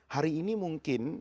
hari ini mungkin